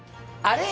あれ？